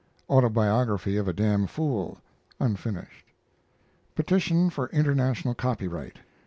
AUTOBIOGRAPHY OF A DAMN FOOL (unfinished). Petition for International Copyright. 1876.